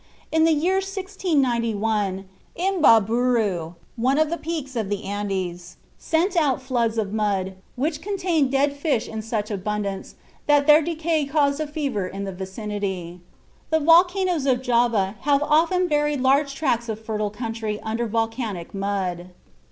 In the year 1691 Imbaburu, one of the peaks of the Andes, sent out floods of mud which contained dead fish in such abundance that their decay caused a fever in the vicinity. The volcanoes of Java have often buried large tracts of fertile country under volcanic mud.